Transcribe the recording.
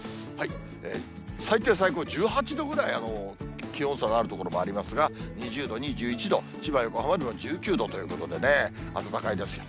最低、最高１８度ぐらい気温差がある所もありますが、２０度、２１度、千葉、横浜は１９度ということでね、暖かいです。